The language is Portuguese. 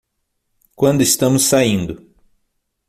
Quando estamos saindo